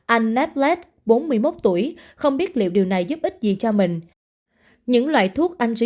hai nghìn hai mươi một anh neflet bốn mươi một tuổi không biết liệu điều này giúp ích gì cho mình những loại thuốc anh sử